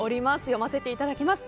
読ませていただきます。